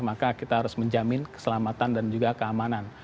maka kita harus menjamin keselamatan dan juga keamanan